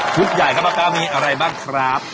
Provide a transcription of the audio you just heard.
ชุดใหญ่ครับมีอะไรบ้างครับ